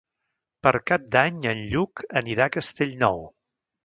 Per Cap d'Any en Lluc anirà a Castellnou.